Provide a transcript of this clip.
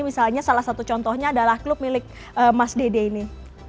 misalnya salah satu contohnya adalah klub milik mas dede ini